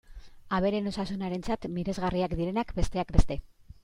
Abereen osasunarentzat miresgarriak direnak, besteak beste.